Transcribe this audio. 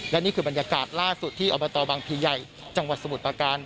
และนี่คือบรรยากาศล่าสุดที่อบตบังพีใหญ่จังหวัดสมุทรประการ